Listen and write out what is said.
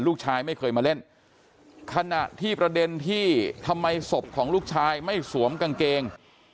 ลูกชายไม่เคยมาเล่นขณะที่ประเด็นที่ทำไมศพของลูกชายไม่สวมกางเกง